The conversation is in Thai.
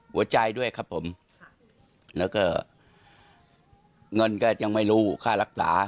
ด้วยครับผมแล้วก็เงินก็ยังไม่รู้ค่ารักษา